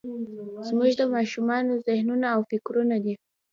زموږ د ماشومانو ذهنونه او فکرونه دي.